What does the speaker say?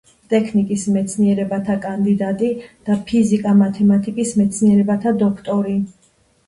ტექნიკის მეცნიერებათა კანდიდატი და ფიზიკა-მათემატიკის მეცნიერებათა დოქტორი.